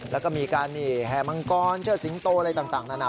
แล้วก็มีการแห่มังกรเชิดสิงโตอะไรต่างนานา